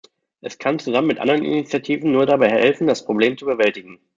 Es kann zusammen mit anderen Initiativen nur dabei helfen, das Problem zu bewältigen.